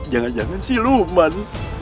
jangan jangan si luman